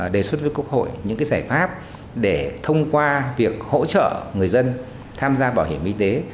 đề xuất với quốc hội những giải pháp để thông qua việc hỗ trợ người dân tham gia bảo hiểm y tế